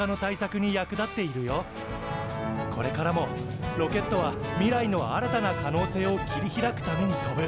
これからもロケットは未来の新たな可能性を切り開くために飛ぶ。